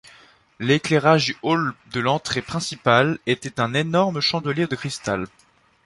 L'éclairage du hall de l'entrée principale était un énorme chandelier de crystal.